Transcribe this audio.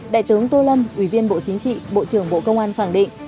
đại tướng tô lâm ủy viên bộ chính trị bộ trưởng bộ công an khẳng định